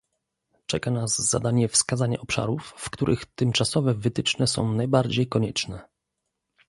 Czeka nas zadanie wskazania obszarów, w których tymczasowe wytyczne są najbardziej konieczne